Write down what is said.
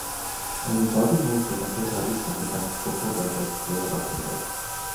Only Bobby Moore prevented Hurley from becoming Football Writers Player of the Year.